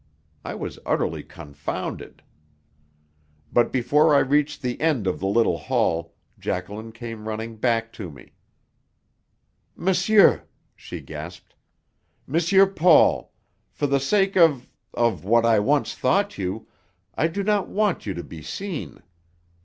I was utterly confounded. But before I reached the end of the little hall Jacqueline came running back to me. "Monsieur!" she gasped. "M. Paul! For the sake of of what I once thought you, I do not want you to be seen.